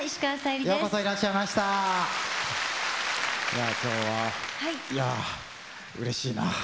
いや今日はいやうれしいなあ。